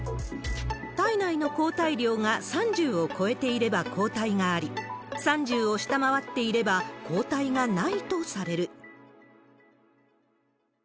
体内の抗体量が３０を超えていれば抗体があり、３０を下回っていれば抗体がないとされる。